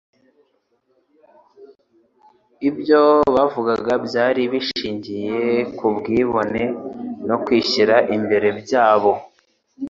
Ibyo bavugaga byari bishingiye ku bwibone no kwishyira imbere byabo.